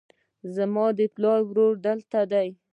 زما د پلار ورور دلته دی